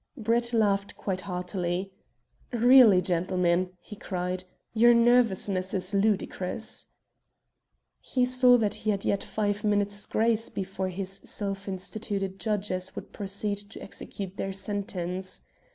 Brett laughed quite heartily. "Really, gentlemen," he cried, "your nervousness is ludicrous." He saw that he yet had five minutes' grace before his self constituted judges would proceed to execute their sentence.